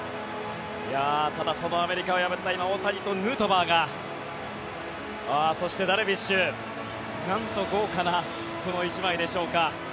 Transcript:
ただ、そのアメリカを破った大谷とヌートバーがそして、ダルビッシュなんと豪華な１枚でしょうか。